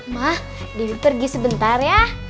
ma debbie pergi sebentar ya